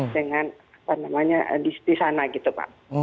dengan apa namanya di sana gitu pak